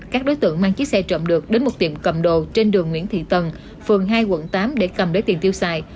các đối tượng mang chiếc xe trộm được đến một tiệm cầm đồ trên đường nguyễn thị tần phường hai quận tám để cầm lấy tiền tiêu xài